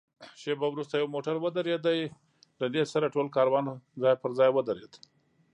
شېبه وروسته یو موټر ودرېد، له دې سره ټول کاروان ځای پر ځای ودرېد.